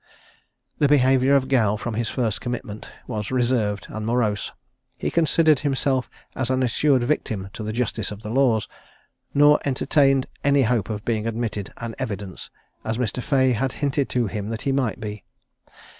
The behaviour of Gow from his first commitment was reserved and morose. He considered himself as an assured victim to the justice of the laws, nor entertained any hope of being admitted an evidence, as Mr. Fea had hinted to him that he might be.